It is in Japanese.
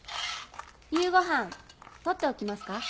夕ごはんとっておきますか？